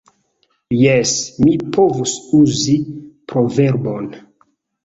Jes! Mi povus uzi proverbon!